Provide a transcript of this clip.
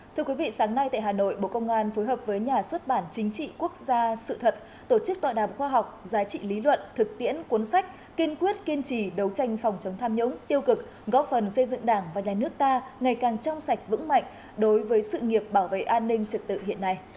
thưa quý vị sáng nay tại hà nội bộ công an phối hợp với nhà xuất bản chính trị quốc gia sự thật tổ chức tọa đàm khoa học giá trị lý luận thực tiễn cuốn sách kiên quyết kiên trì đấu tranh phòng chống tham nhũng tiêu cực góp phần xây dựng đảng và nhà nước ta ngày càng trong sạch vững mạnh đối với sự nghiệp bảo vệ an ninh trật tự hiện nay